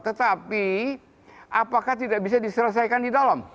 tetapi apakah tidak bisa diselesaikan di dalam